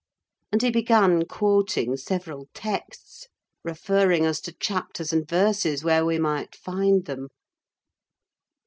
And he began quoting several texts, referring us to chapters and verses where we might find them.